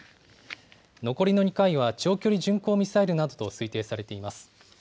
残りの２回は長距離巡航ミサイルなどと推定されています。